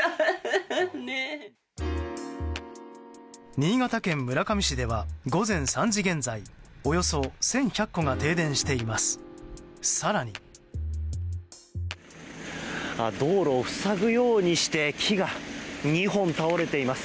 新潟県村上市では午前３時現在およそ１３００戸が停電しています。